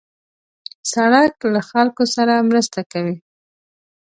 سړک له خلکو سره مرسته کوي.